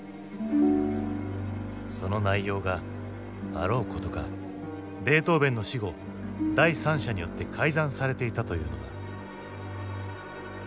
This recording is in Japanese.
その内容があろうことかベートーヴェンの死後第三者によって改ざんされていたというのだ。